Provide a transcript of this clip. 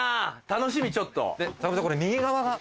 楽しみちょっと。